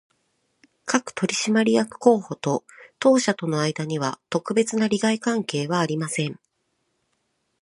各取締役候補と当社との間には、特別な利害関係はありません